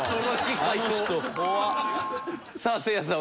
さあせいやさん